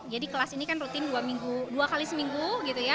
kelas ini kan rutin dua kali seminggu gitu ya